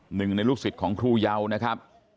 หนึ่งในลูกศิษย์ของครูเยานะครับ